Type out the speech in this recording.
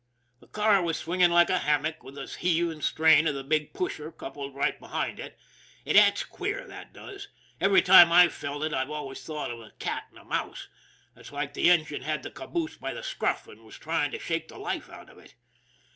The car was swinging like a hammock with the heave and strain of the big pusher coupled right behind it it acts queer, that does. Every time I've felt it I've always thought of a cat and a mouse. It's like the en gine had the caboose by the scruff and was trying to shake the life out of it.